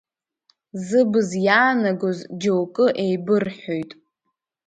Зыбз иаанагоз џьоукы еибырҳәоит.